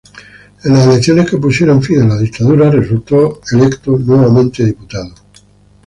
En las elecciones que pusieron fin a la dictadura, resultó electo nuevamente diputado.